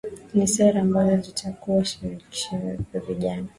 Ni sera ambazo zitakuwa shirikishi kwa vijana